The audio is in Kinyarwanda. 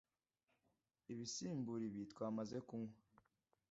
ibisimbura ibi twamaze kunkwa .